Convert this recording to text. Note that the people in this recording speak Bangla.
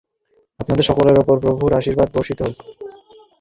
আপনাদের সকলের উপর প্রভুর আশীর্বাদ বর্ষিত হোক।